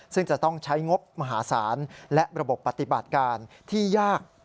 ซึ่งจะต้องใช้งบมหาศาลและระบบปฏิบัติการที่ยาก